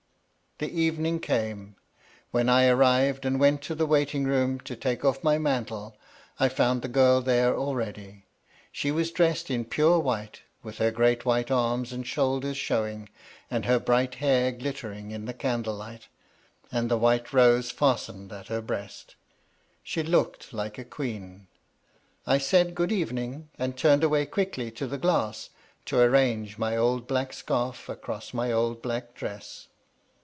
The evening came; when I arrived and went to the waiting room, to take off my mantle, I found the girl there already. She was dressed in pure white, with her great white arms and shoulders showing, and her bright hair glittering in the candle light, and the white rose fastened at her breast. She looked like a queen. I said "Good evening," and turned away quickly to the glass to arrange my old black scarf across my old black dress.